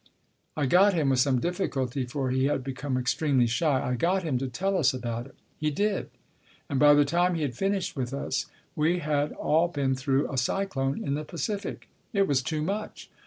I got him with some difficulty, for he had become extremely shy I got him to tell us about it. He did. And by the time he had finished with us we had all been through a cyclone in the Pacific. It was too much.